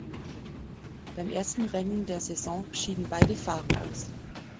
Beim ersten Rennen der Saison schieden beide Fahrer aus.